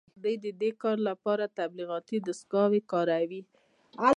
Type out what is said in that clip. دوی د دې کار لپاره تبلیغاتي دستګاوې کاروي